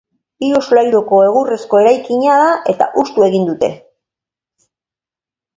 Hiru solairuko egurrezko eraikina da, eta hustu egin dute.